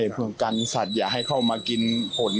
ผลในส่วนอะไรก็ประมาณนั้น